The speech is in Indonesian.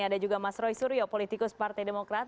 ada juga mas roy suryo politikus partai demokrat